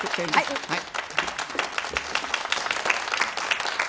はい。